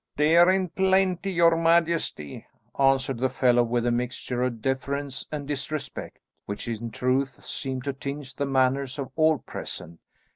"Deer in plenty, your majesty," answered the fellow with a mixture of deference and disrespect, which in truth seemed to tinge the manners of all present.